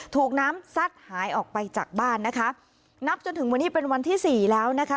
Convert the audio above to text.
ถูกน้ำซัดหายออกไปจากบ้านนะคะนับจนถึงวันนี้เป็นวันที่สี่แล้วนะคะ